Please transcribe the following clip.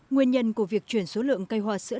nguyên nhân của việc chuyển số lượng cây hoa sữa